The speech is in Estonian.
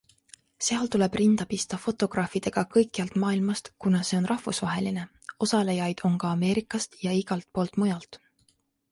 Seal tuleb rinda pista fotograafidega kõikjalt maailmast, kuna see on rahvusvaheline - osalejaid on ka Ameerikast ja igalt poolt mujalt.